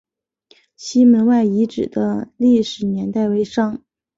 西门外遗址的历史年代为商。